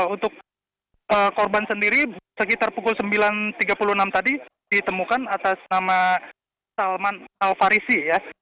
untuk korban sendiri sekitar pukul sembilan tiga puluh enam tadi ditemukan atas nama salman al farisi ya